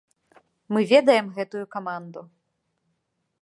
Мы ведаем гэтую каманду.